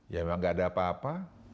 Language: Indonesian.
ya memang gak ada apa apa